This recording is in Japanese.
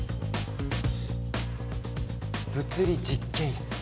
物理実験室。